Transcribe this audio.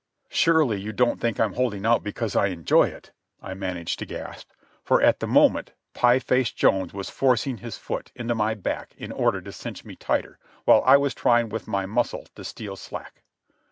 "Surely you don't think I'm holding out because I enjoy it?" I managed to gasp, for at the moment Pie Face Jones was forcing his foot into my back in order to cinch me tighter, while I was trying with my muscle to steal slack.